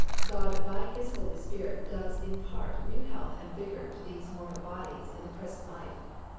God by His Holy Spirit does impart new health and vigour to these mortal bodies in the present life.